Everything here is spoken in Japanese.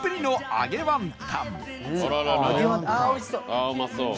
ああうまそう。